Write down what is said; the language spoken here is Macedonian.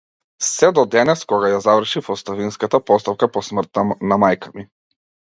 Сѐ до денес, кога ја завршив оставинската постапка по смртта на мајка ми.